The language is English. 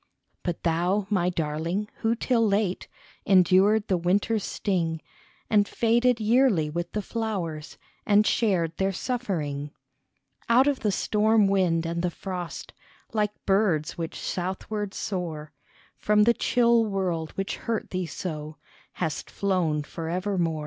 But thou, my darling, who till late Endured the winter's sting, And faded yearly with the flowers, And shared their suffering, Out of the storm wind and the frost, Like birds which southward soar, From the chill world which hurt thee so Hast flown forevermore.